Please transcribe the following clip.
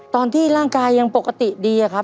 ตอนที่ร่างกายยังปกติดีอะครับ